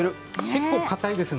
結構かたいです。